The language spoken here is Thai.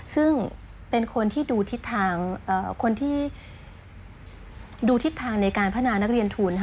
ซึ่งเป็นคนที่ดูทิศทางในการพนานักเรียนทุน